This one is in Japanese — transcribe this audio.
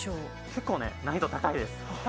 結構、難易度高いです。